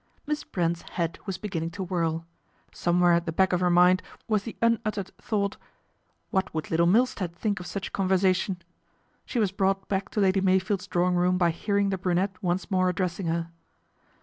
Miss Brent's head was beginning to whirl. Somewhere at the back of her mind was the un uttered thought, What would Little Milstead think of such conversation ? She was brought back to Lady Meyfield's drawing room by hearing the brunette once more addressing her.